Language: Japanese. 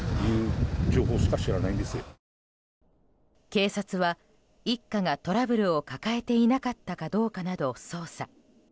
警察は一家がトラブルを抱えていなかったかどうかなど捜査。